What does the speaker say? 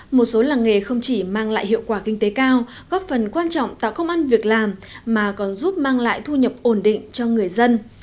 một số làng nghề không chỉ mang lại hiệu quả kinh tế cao góp phần quan trọng tạo công an việc làm mà còn giúp mang lại thu nhập ổn định cho người dân